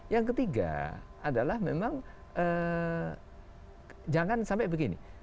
yang ketiga adalah memang jangan sampai begini